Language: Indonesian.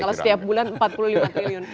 kalau setiap bulan empat puluh lima triliun